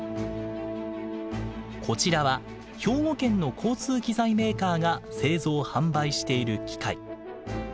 こちらは兵庫県の交通機材メーカーが製造・販売している機械。